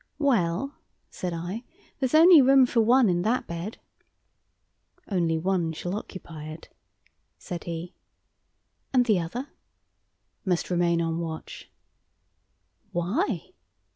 "Well," said I, "there's only room for one in that bed." "Only one shall occupy it," said he. "And the other?" "Must remain on watch." "Why?"